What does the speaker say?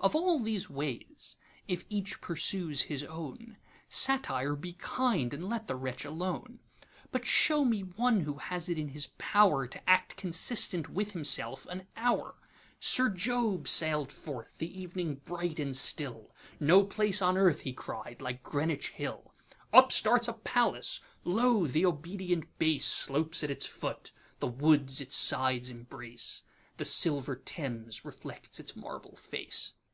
Of all these ways, if each pursues his own, Satire, be kind, and let the wretch alone; But show me one who has it in his powerTo act consistent with himself an hour. Sir Job sail'd forth, the ev'ning bright and still,'No place on earth (he cried) like Greenwich hill!'Up starts a palace: lo, th' obedient baseSlopes at its foot, the woods its sides embrace, The silver Thames reflects its marble face.